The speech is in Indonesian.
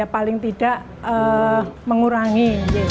paling tidak mengurangi